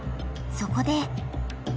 ［そこで］